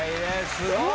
すごい！